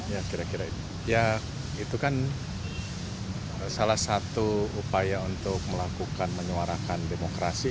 ya itu kan salah satu upaya untuk melakukan menyuarakan demokrasi